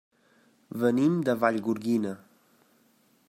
Venim de Vallgorguina.